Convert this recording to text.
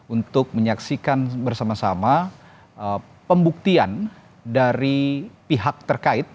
untuk menyaksikan bersama sama pembuktian dari pihak terkait